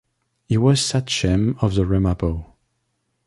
He was sachem of the Ramapo.